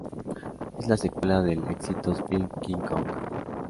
Es la secuela del exitoso film King Kong.